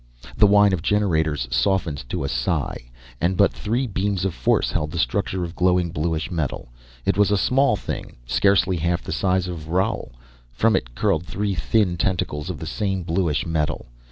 The whine of generators softened to a sigh, and but three beams of force held the structure of glowing, bluish metal. It was a small thing, scarcely half the size of Roal. From it curled three thin tentacles of the same bluish metal.